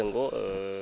cái đấy là có một cái sự